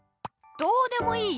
どうでもいいよ！